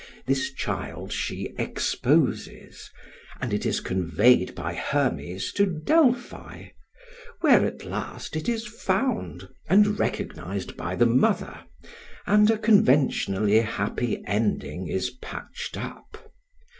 This child she exposes, and it is conveyed by Hermes to Delphi, where at last it is found, and recognised by the mother, and a conventionally happy ending is patched up.